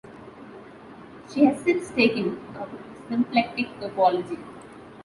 She has since taken up symplectic topology.